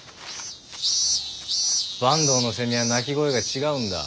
坂東のセミは鳴き声が違うんだ。